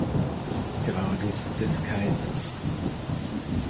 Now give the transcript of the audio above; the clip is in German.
Grades des Kaisers.